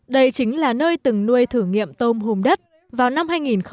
đây chính là nơi từng nuôi thử nghiệm tôm hùm đất vào năm hai nghìn tám